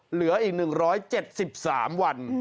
เหลืออีก๑๗๓วัน